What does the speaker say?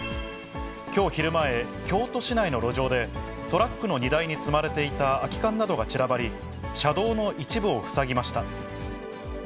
きょう昼前、京都市内の路上で、トラックの荷台に積まれていた空き缶などが散らばり、車道の一部を塞ぎました。